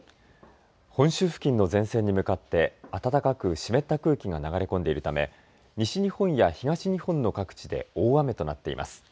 本州付近の前線に向かって暖かく湿った空気が流れ込んでいるため西日本や東日本の各地で大雨となっています。